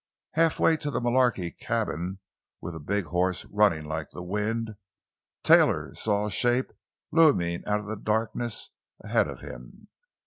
Half way to the Mullarky cabin, with the big horse running like the wind, Taylor saw a shape looming out of the darkness ahead of him.